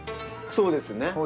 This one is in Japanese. そうですね。